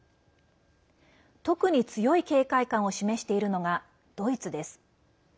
特に強い警戒感を示しているのがドイツです。